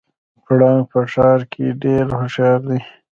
پړانګ په ښکار کې ډیر هوښیار دی